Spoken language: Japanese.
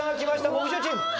木１０チーム。